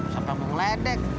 sampai mau ngeledek